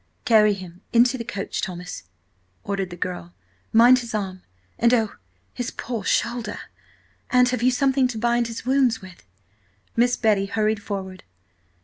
"Carry him into the coach, Thomas!" ordered the girl. "Mind his arm, and–oh! his poor shoulder. Aunt, have you something to bind his wounds with?" Miss Betty hurried forward.